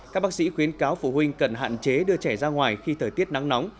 các bác sĩ khuyến cáo phụ huynh cần hạn chế đưa trẻ ra ngoài khi thời tiết nắng nóng